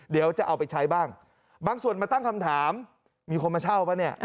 เดี๋ยวจะเอาไปใช้บ้างบางส่วนมาตั้งคำถามมีคนมาเช่าป่ะเนี่ย